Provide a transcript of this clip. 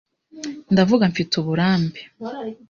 Ndavuga mfite uburambe